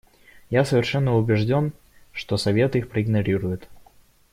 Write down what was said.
Я совершенно убежден, что Совет их проигнорирует.